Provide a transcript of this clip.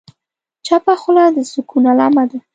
چپه خوله، د سکون علامه ده.